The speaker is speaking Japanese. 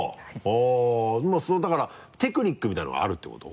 ほぉまぁそうだからテクニックみたいなのがあるってこと？